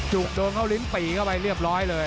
โดนเข้าลิ้นปี่เข้าไปเรียบร้อยเลย